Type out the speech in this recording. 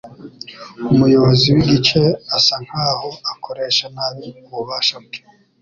Umuyobozi w'igice asa nkaho akoresha nabi ububasha bwe